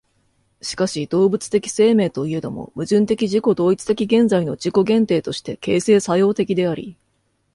しかし動物的生命といえども、矛盾的自己同一的現在の自己限定として形成作用的であり、